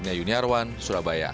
purnia yuni arwan surabaya